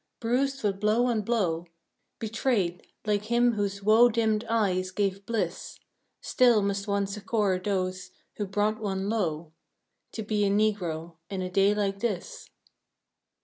Bruised with blow on blow, Betrayed, like him whose woe dimmed eyes gave bliss Still must one succor those who brought one low, To be a Negro in a day like this.